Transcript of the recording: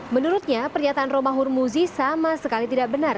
menurutnya pernyataan roma hurmuzi sama sekali tidak benar